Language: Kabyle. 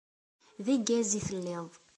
D aggaz i telliḍ.